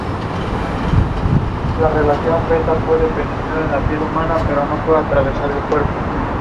Se encuentra en los bosques de neblina, laderas, barrancas boscosas.